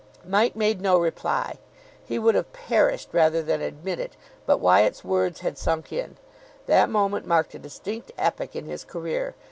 Mike made no reply. He would have perished rather than admit it, but Wyatt's words had sunk in. That moment marked a distinct epoch in his career.